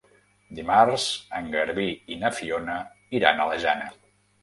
Dimarts en Garbí i na Fiona iran a la Jana.